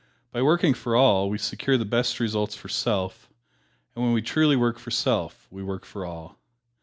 By working for all, we secure the best results for self, and when we truly work for self, we work for all.